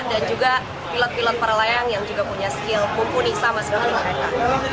dan juga pilot pilot para layang yang juga punya skill kumpuni sama segala mereka